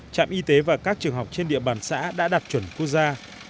trạm y tế và các trường học trên địa bàn xã đã đạt chuẩn quốc gia